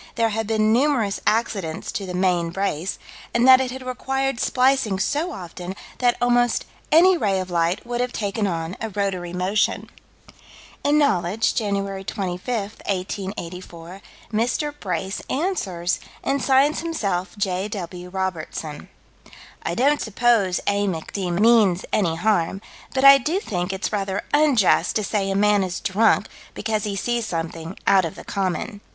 there had been numerous accidents to the "main brace," and that it had required splicing so often that almost any ray of light would have taken on a rotary motion. In Knowledge, Jan. 25, 1884, Mr. "Brace" answers and signs himself "J.W. Robertson": "I don't suppose A. Mc. D. means any harm, but I do think it's rather unjust to say a man is drunk because he sees something out of the common.